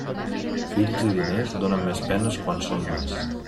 Fills i diners, donen més penes quan són més.